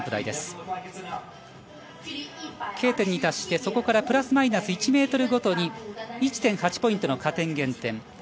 飛型点に足してそこからプラスマイナス１ｍごとに１．８ポイントの加点、減点。